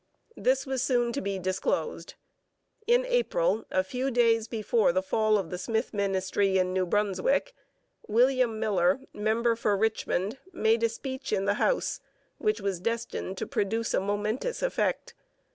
This was soon to be disclosed. In April, a few days before the fall of the Smith ministry in New Brunswick, William Miller, member for Richmond, made a speech in the House which was destined to produce a momentous effect.